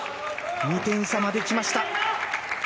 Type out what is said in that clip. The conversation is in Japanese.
２点差まできました。